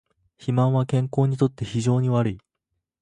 肥満は健康にとって非常に悪い